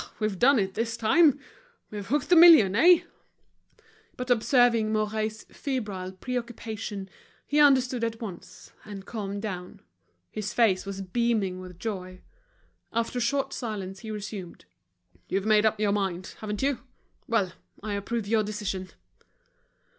we've done it this time. We've hooked the million, eh?" But observing Mouret's febrile pre occupation, he understood at once and calmed down. His face was beaming with joy. After a short silence he resumed: "You've made up your mind, haven't you? Well, I approve your decision."